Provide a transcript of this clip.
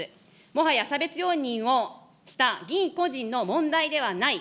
もはや差別容認をした議員個人の問題ではない。